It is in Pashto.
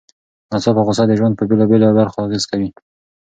ناڅاپه غوسه د ژوند په بېلابېلو برخو اغېز کوي.